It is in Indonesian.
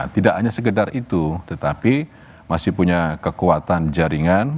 tidak hanya sekedar itu tetapi masih punya kekuatan jaringan